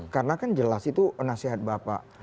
karena kan jelas itu nasihat bapak